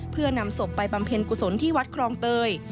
เพื่อนำศพไปบำเพ็ญกุศลที่วัดครองเตย